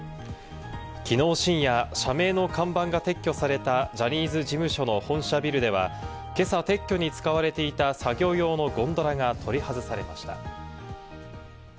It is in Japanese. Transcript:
きのう深夜、社名の看板が撤去されたジャニーズ事務所の本社ビルでは、今朝、撤去に使われていた作業用のゴンドラが取り外されました。